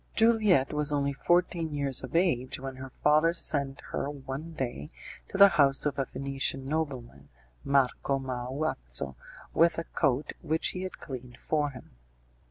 Juliette was only fourteen years of age when her father sent her one day to the house of a Venetian nobleman, Marco Muazzo, with a coat which he had cleaned for him.